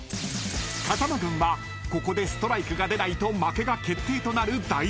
［風間軍はここでストライクが出ないと負けが決定となる大事な場面］